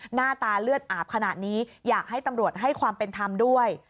หน้าตาเลือดอาบขนาดนี้อยากให้ตำรวจให้ความเป็นธรรมด้วย